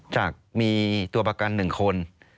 จากมีตัวประกันหนึ่งคน